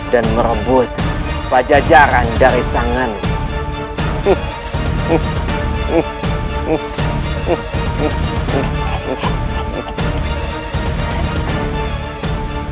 dan merebut pajajaran dari tanganmu